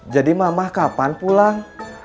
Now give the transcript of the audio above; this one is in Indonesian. jadi mama kapan pulang